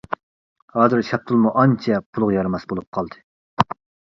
ھازىر شاپتۇلمۇ ئانچە پۇلغا يارماس بولۇپ قالدى.